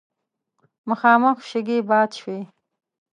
مخامخ شګې باد شوې.